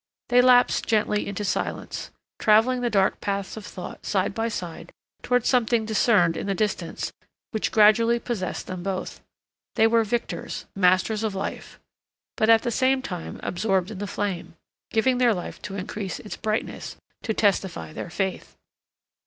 They lapsed gently into silence, traveling the dark paths of thought side by side towards something discerned in the distance which gradually possessed them both. They were victors, masters of life, but at the same time absorbed in the flame, giving their life to increase its brightness, to testify to their faith.